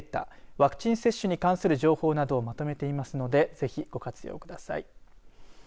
ワクチン接種に関する情報などをまとめていますのでぜひ、ご活用ください。